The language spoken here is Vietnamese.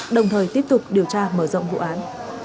đồng thời tiếp tục điều tra mở rộng vụ án